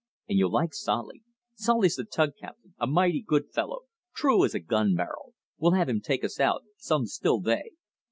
And you'll like Solly. Solly's the tug captain, a mighty good fellow, true as a gun barrel. We'll have him take us out, some still day.